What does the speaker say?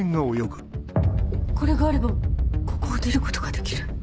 これがあればここを出ることができる。